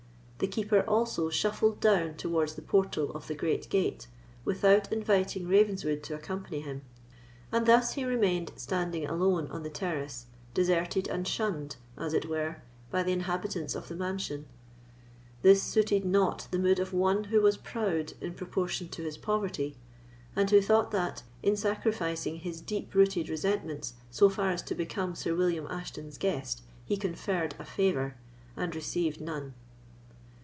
The Keeper also shuffled down towards the portal of the great gate, without inviting Ravenswood to accompany him; and thus he remained standing alone on the terrace, deserted and shunned, as it were, by the inhabitants of the mansion. This suited not the mood of one who was proud in proportion to his poverty, and who thought that, in sacrificing his deep rooted resentments so far as to become Sir William Ashton's guest, he conferred a favour, and received none.